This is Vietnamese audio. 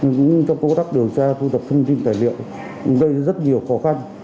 nhưng trong công tác điều tra thu tập thông tin tài liệu đây rất nhiều khó khăn